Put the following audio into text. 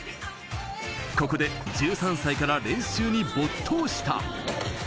ここで１３歳から練習に没頭した。